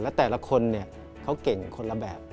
และแต่ละคนเขาเก่งคนละแบบ